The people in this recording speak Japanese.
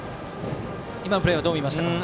今のプレーはどう見ましたか？